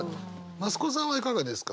増子さんはいかがですか？